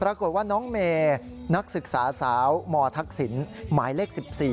ประกวดว่าน้องเมนักศึกษาสาวมทักศิลป์หมายเลข๑๔